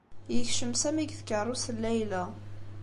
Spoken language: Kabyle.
Yekcem Sami deg tkeṛṛust n Layla.